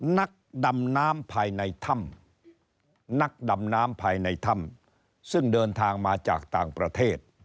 นักดำน้ำภายในถ้ำซึ่งเดินทางมาจากต่างประเทศ